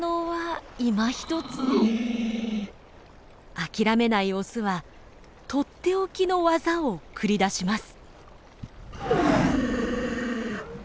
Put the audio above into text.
諦めないオスはとっておきの技を繰り出します。